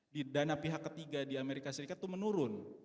di dana pihak ketiga di amerika serikat itu menurun